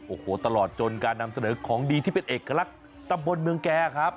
โอ้โหตลอดจนการนำเสนอของดีที่เป็นเอกลักษณ์ตำบลเมืองแก่ครับ